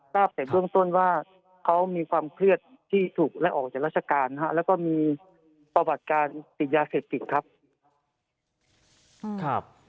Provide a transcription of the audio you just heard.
แต่เบื้องต้นว่าเขามีความเครียดที่ถูกและออกจากราชการแล้วก็มีประวัติการติดยาเสพติดครับ